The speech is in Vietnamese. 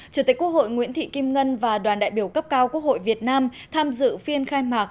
chủ tịch quốc hội nguyễn thị kim ngân và đoàn đại biểu cấp cao quốc hội việt nam tham dự phiên khai mạc